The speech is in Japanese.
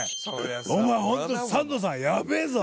お前ホントサンドさんヤベェぞ！